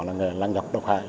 là nghề lãng nhọc độc hại